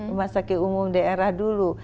rumah sakit umum daerah dulu